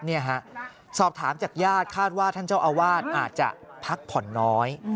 นี่ฮะสอบถามจากญาติคาดว่าท่านเจ้าอาวาสอาจจะพักผ่อนน้อย